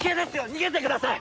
逃げてください！